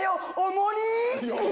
重荷！